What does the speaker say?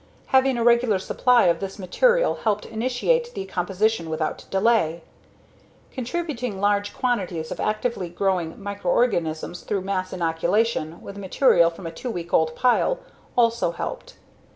Having a regular supply of this material helped initiate decomposition without delay. Contributing large quantities of actively growing microorganisms through mass inoculation with material from a two week old pile also helped.